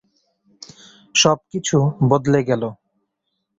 সব কিছু বদলে গেল।